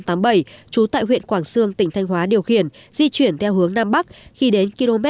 trú tại huyện quảng sương tỉnh thanh hóa điều khiển di chuyển theo hướng nam bắc khi đến km bốn trăm bốn mươi ba ba trăm linh